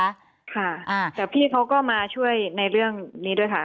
ค่ะอ่าแต่พี่เขาก็มาช่วยในเรื่องนี้ด้วยค่ะ